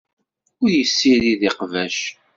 Ur yessirid iqbac.